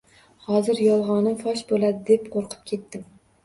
Hozir yolg`onim fosh bo`ladi deb qo`rqib ketdim